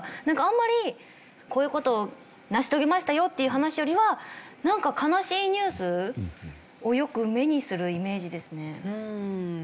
なんかあんまりこういう事を成し遂げましたよっていう話よりはなんか悲しいニュースをよく目にするイメージですね。